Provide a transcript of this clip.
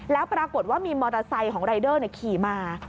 แล้วปรากฏว่ามีมอเตอร์ไซค์ของรายเดอร์ขี่มา